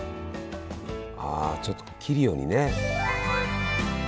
あちょっと切るようにね。